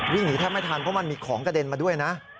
หนีแทบไม่ทันเพราะมันมีของกระเด็นมาด้วยนะ